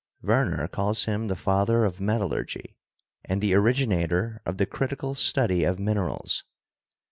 Werner calls him the father of metallurgy and the originator of the critical study of minerals.